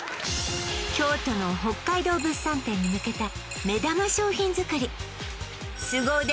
京都の北海道物産展に向けた目玉商品作りスゴ腕